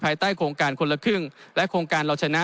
ใต้โครงการคนละครึ่งและโครงการเราชนะ